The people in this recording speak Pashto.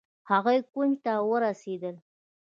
هغوئ کونج ته ورسېدل.